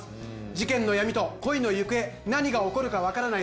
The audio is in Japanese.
事件の闇と恋の行方何が起こるか分からない